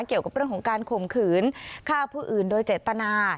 เกี่ยวกับเรื่องของการข่มขืนฆ่าผู้อื่นโดยเจตนา